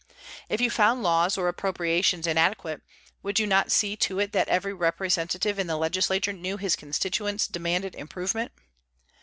If you found laws or appropriations inadequate, would you not see to it that every representative in the legislature knew his constituents demanded improvement?